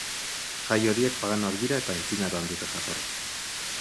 Jai horiek paganoak dira, eta antzinaroan dute jatorri.